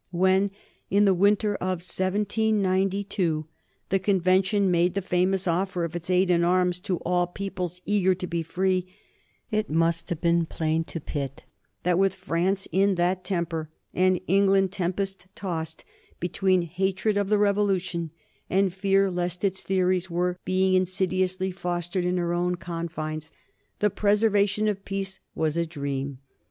When, in the winter of 1792, the Convention made the famous offer of its aid in arms to all peoples eager to be free, it must have been plain to Pitt that, with France in that temper and England tempest tossed between hatred of the Revolution and fear lest its theories were being insidiously fostered in her own confines, the preservation of peace was a dream.